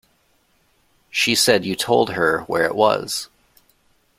She said you told her where it was.